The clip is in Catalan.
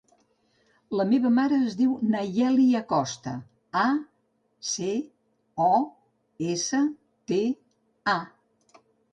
La meva mare es diu Nayeli Acosta: a, ce, o, essa, te, a.